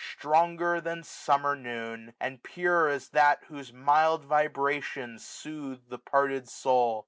Stronger than sunmier noon ; and pure as that. Whose mild vibrations soothe th6 parted soul.